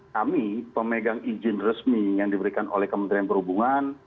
kami pemegang izin resmi yang diberikan oleh kementerian perhubungan